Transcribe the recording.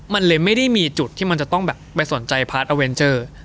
มันเลยไม่ได้มีจุดที่มันจะต้องแบบไปสนใจพาร์ทอเวนเจอร์